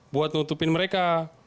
buat nutupin mereka